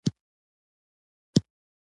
هوښیار خلک د وېرې پر ځای د امید ژبه کاروي.